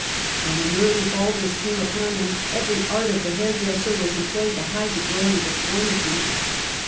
When an early baldness came upon him, every art of the hairdresser was employed to hide the growing deformity.